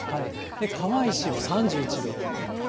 釜石も３１度。